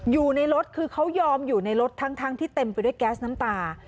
อยู่ในรถคือเขายอมอยู่ในรถทั้งที่เต็มไปด้วยแก๊สน้ำตา